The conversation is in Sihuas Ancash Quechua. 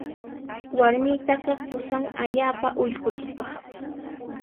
Warmitaqa qusan allaapa ullqutupaq.